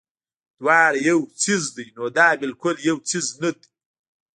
دواړه يو څيز دے نو دا بالکل يو څيز نۀ دے